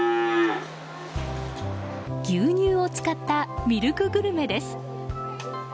牛乳を使ったミルクグルメです。